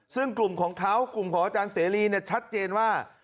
ซึ่งกลุ่มของเขากลุ่มของอาจารย์เสรีชัดเจนว่า